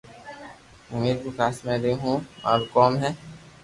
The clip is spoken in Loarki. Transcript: ھون ميرپوخاص ۾ رھيو ھون مارو ڪوم ھي